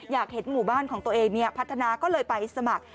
อยากเห็นหมู่บ้านของตัวเองพัฒนาก็เลยไปสมัคร